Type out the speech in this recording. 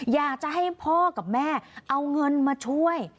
อยากจะให้พ่อกับแม่เอาเงินมาช่วย